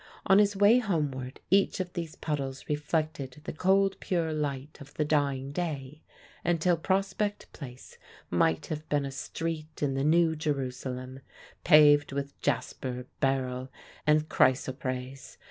On his way homeward each of these puddles reflected the cold, pure light of the dying day, until Prospect Place might have been a street in the New Jerusalem, paved with jasper, beryl, and chrysoprase.